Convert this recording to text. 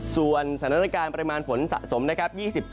ส่วนสถานการณ์ปริมาณฝนสะสมนะครับ